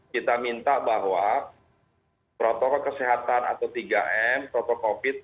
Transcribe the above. kita minta bahwa protokol kesehatan atau tiga m protokol covid